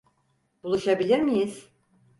Buluşabilir miyiz?